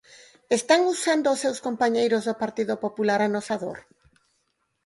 Están usando os seus compañeiros do Partido Popular a nosa dor?